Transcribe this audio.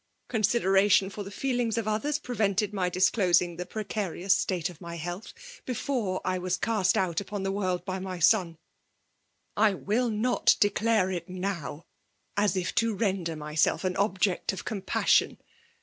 Consideration tar the fiaelings of others prevented my disclosing the {nreea^ rious state of my healthy before I was cast out upon the world by my son ; I will not dedave it now — as if to render myself an object of com* passion.